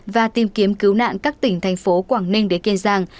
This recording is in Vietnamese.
và tìm kiếm cứu nạn các tỉnh thành phố quảng ninh đến kiên giang